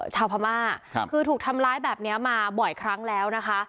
ชาวพม่าคือถูกทำร้ายแบบนี้มาบ่อยครั้งแล้วนะคะ